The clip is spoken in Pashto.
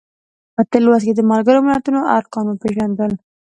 په تېر لوست کې د ملګرو ملتونو ارکان وپیژندل.